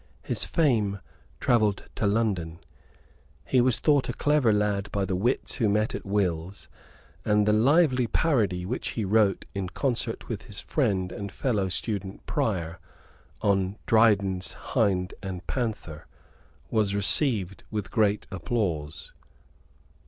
His fame travelled to London; he was thought a clever lad by the wits who met at Will's, and the lively parody which he wrote, in concert with his friend and fellow student Prior, on Dryden's Hind and Panther, was received with great applause.